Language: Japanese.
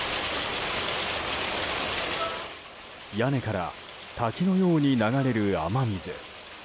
屋根から滝のように流れる雨水。